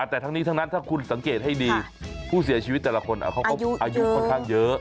แต่ทั้งนี้ทั้งนั้นถ้าคุณสังเกตให้ดีผู้เสียชีวิตแต่ละคนเขาก็อายุค่อนข้างเยอะ